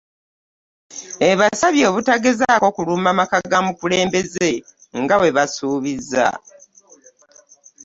Ebasabye obutagezaako kulumba maka ga mukulembeze nga bwe baasuubiza.